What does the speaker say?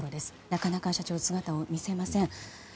なかなか社長が姿を見せません。